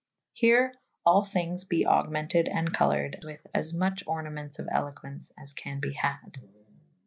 Here all thynges be augmented and coloured with as much ornamentes of eloquence as can be had.